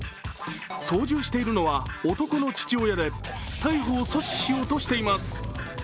操縦しているのは男の父親で逮捕を阻止しようとしています。